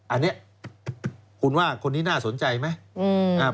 อันนี้คุณว่าคนนี้น่าสนใจไหม